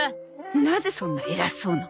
なぜそんな偉そうな。